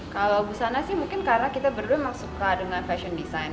kalau busana sih mungkin karena kita berdua memang suka dengan fashion design